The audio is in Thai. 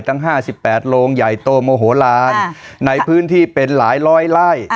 ทั้ง๕๘โลงใหญ่โตโมโหลานในพื้นที่เป็นหลายร้อยไล่